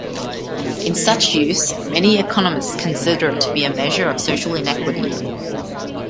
In such use, many economists consider it to be a measure of social inequality.